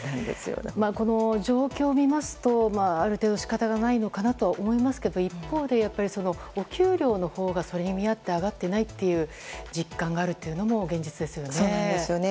この状況を見ますとある程度仕方がないのかなと思いますが一方で、お給料のほうがそれに見合って上がっていないという実感があるというのも現実ですね。